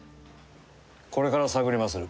これから探りまする。